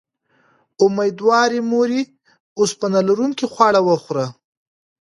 اميدوارې مورې، اوسپنه لرونکي خواړه وخوره